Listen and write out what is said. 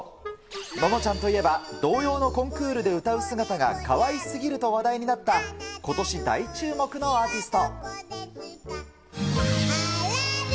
ののちゃんといえば、童謡のコンクールで歌う姿がかわいすぎると話題になった、ことし大注目のアーティスト。